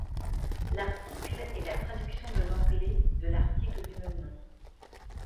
L'article est la traduction de l'anglais de l'article du même nom.